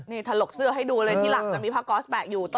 นี่ถลกเสื้อให้ดูเลยที่หลังจะมีพระกอสแบกอยู่ต้นขา